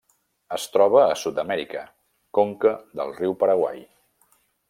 Es troba a Sud-amèrica: conca del riu Paraguai.